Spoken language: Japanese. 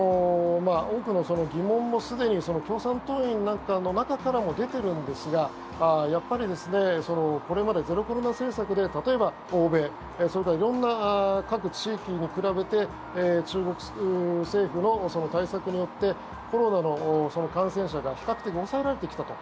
多くの疑問もすでに共産党員の中からも出ているんですがやっぱりこれまでゼロコロナ政策で例えば欧米それから色んな各地域に比べて中国政府の対策によってコロナの感染者が比較的抑えられてきたと。